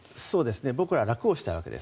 僕らは楽をしたいわけです。